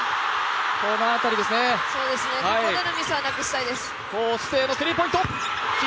ここでのミスはなくしたいです。